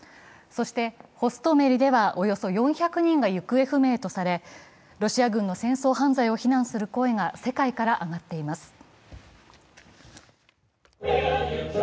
そしてホストメリではおよそ４００人が行方不明とされ、ロシア軍の戦争犯罪を非難する声が世界から上がっています。